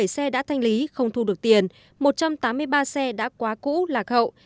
bảy xe đã thanh lý không thu được tiền một trăm tám mươi ba xe đã quá cũ lạc hậu